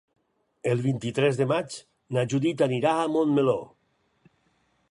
El vint-i-tres de maig na Judit anirà a Montmeló.